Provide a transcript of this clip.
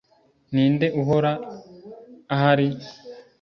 ninde uhora ahari,